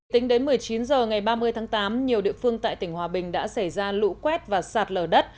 tính đến một mươi chín h ngày ba mươi tháng tám nhiều địa phương tại tỉnh hòa bình đã xảy ra lũ quét và sạt lở đất